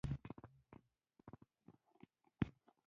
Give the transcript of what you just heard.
دده ملګری مو حلال کړی دی پرې خپه دی.